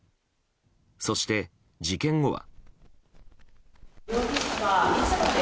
そして、事件後は。